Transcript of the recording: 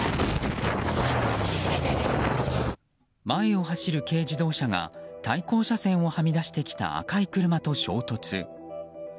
前を走る軽自動車が対向車線をはみ出してきた赤い車と衝突。